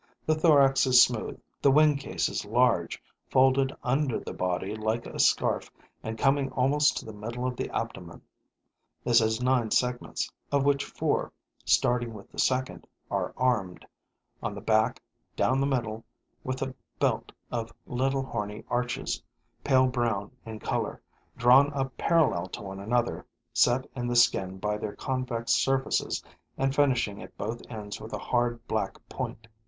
The thorax is smooth, the wing cases large, folded under the body like a scarf and coming almost to the middle of the abdomen. This has nine segments, of which four, starting with the second, are armed, on the back, down the middle, with a belt of little horny arches, pale brown in color, drawn up parallel to one another, set in the skin by their convex surfaces and finishing at both ends with a hard, black point.